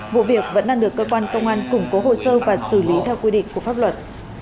vụ việc vẫn đang được cơ quan công an củng cố hồ sơ và xử lý theo quy định của pháp luật